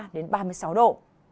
đến ba mươi sáu độ